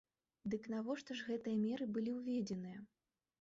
Дык навошта ж гэтыя меры былі ўведзеныя?